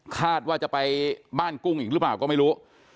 คาดว่าจะไปบ้านกุ้งอีกหรือเปล่าก็ไม่รู้